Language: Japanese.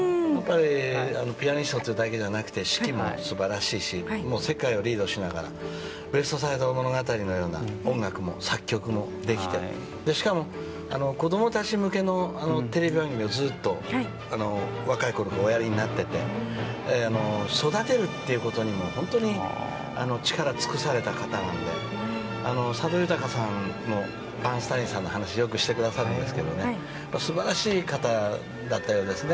ピアニストというだけでなくて指揮も素晴らしいし世界をリードしながら「ウエスト・サイド物語」のような音楽の作曲もできてしかも子供たち向けのテレビアニメをずっと若いころからおやりになっていて育てるということにも本当に力を尽くされた方なので佐渡裕さんもバーンスタインの話をよくしてくれますが素晴らしい方だったようですね。